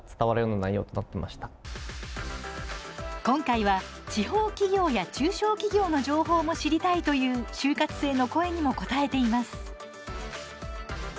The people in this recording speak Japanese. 今回は「地方企業や中小企業の情報も知りたい」という就活生の声にも応えています。